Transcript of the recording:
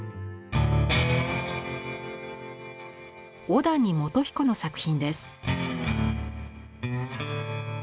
小谷元彦の作品です。